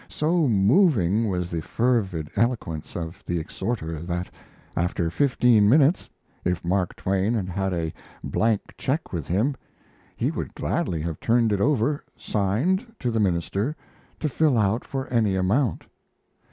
So moving was the fervid eloquence of the exhorter that, after fifteen minutes, if Mark Twain had had a blank cheque with him, he would gladly have turned it over, signed, to the minister, to fill out for any amount.